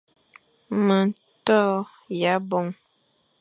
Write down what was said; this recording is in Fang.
Ma to yʼaboñ,